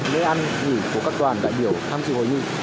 lễ ăn dị của các đoàn đại biểu tham dự hội nghị